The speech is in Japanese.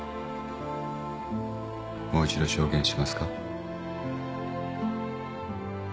もう一度証言しますか。